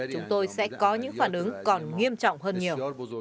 chúng tôi sẽ có những phản ứng còn nghiêm trọng hơn nhiều